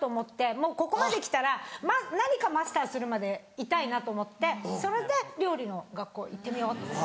もうここまできたら何かマスターするまでいたいなと思ってそれで料理の学校行ってみようと思って。